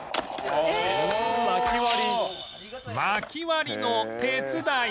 薪割りの手伝い